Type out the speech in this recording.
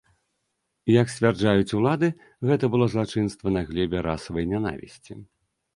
Як сцвярджаюць улады, гэта было злачынства на глебе расавай нянавісці.